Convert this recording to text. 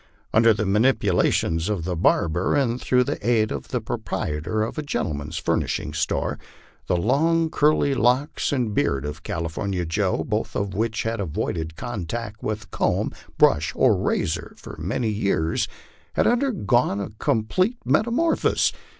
Under the manipulations of the barber, and through the aid of the proprietor of a gentleman's furnishing store, the long, curly locks and beard of California Joe, both of which had avoided contact with comb, brush, or razor for many years, had undergone a complete metamorphosis.